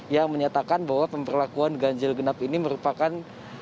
yang menyatakan bahwa pemberlakuan ganjil genap ini merupakan